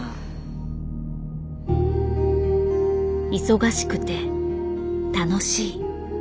「忙しくて楽しい」。